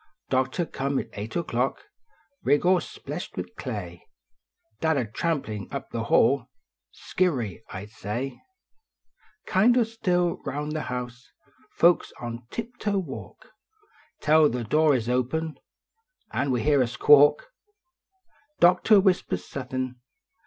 Doctor come at eight o clock, Rig all spleshed with clay ; Dad a trampin up the hall, Skeery? I sh d say ! Kind o still rouu the house, Folks on tip toe walk Tell the door is open An we hear a squawk ! Doctor whispers suthin